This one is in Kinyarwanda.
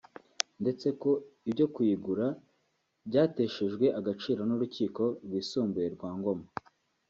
ndetse ko ibyo kuyigura byateshejwe agaciro n’Urukiko rwisumbuye rwa Ngoma